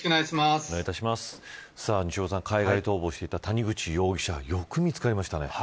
海外逃亡していた谷口容疑者よく見つかりましたね。